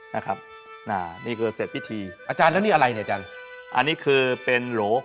นะครับอ่านี่คือเสร็จพิธีอาจารย์แล้วนี่อะไรเนี่ยอาจารย์อันนี้คือเป็นโหล